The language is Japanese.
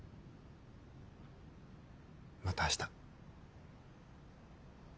また明日。